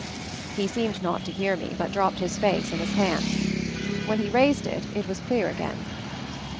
He seemed not to hear me ; but dropped his face in his hands. When he raised it it was clear again.